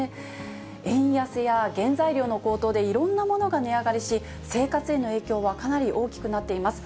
円安や原材料の高騰で、いろんなものが値上がりし、生活への影響はかなり大きくなっています。